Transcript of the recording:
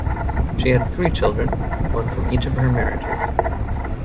She had three children, one from each of her marriages.